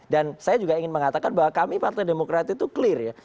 dan saya juga ingin mengatakan bahwa kami partai demokrat itu clear ya